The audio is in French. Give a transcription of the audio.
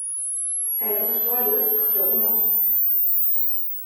Elle reçoit le pour ce roman.